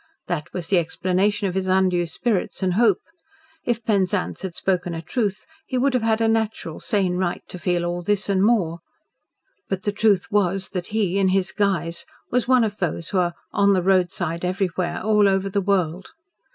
That was the explanation of his undue spirits and hope. If Penzance had spoken a truth he would have had a natural, sane right to feel all this and more. But the truth was that he, in his guise was one of those who are "on the roadside everywhere all over the world."